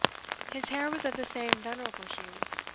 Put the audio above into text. His hair was of the same venerable hue.